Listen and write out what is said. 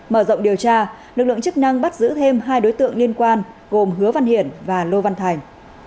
mở rộng điều tra lực lượng chức năng bắt giữ thêm hai đối tượng liên quan gồm hứa văn hiển và lô văn thành